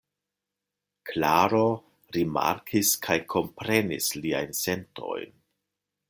Klaro rimarkis kaj komprenis liajn sentojn.